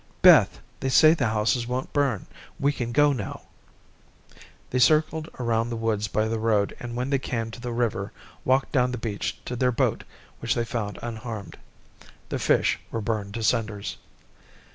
"Beth, they say the houses won't burn. We can go now." They circled around the woods by the road, and, when they came to the river, walked down the beach to their boat which they found unharmed. The fish were burned to cinders.